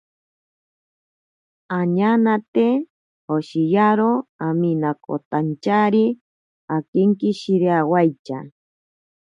Añanate oshiyaro aminakotantyari akinkishiriawaitya.